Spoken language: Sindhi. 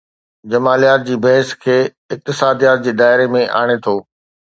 جماليات جي بحث کي اقتصاديات جي دائري ۾ آڻي ٿو.